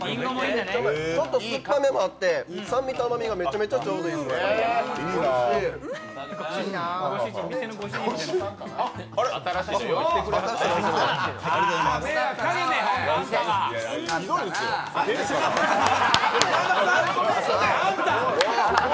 ちょっと酸っぱ目もあって酸味と甘めがめちゃめちゃ、ちょうどいいですね